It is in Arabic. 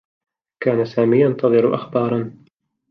كان سامي ينتظر أخبارا.